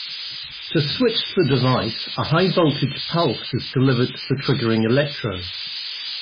To switch the device, a high voltage pulse is delivered to the triggering electrode.